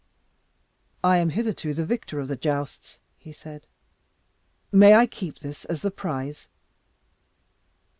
"I am hitherto the victor of the jousts," he said; "may I keep this as the prize?"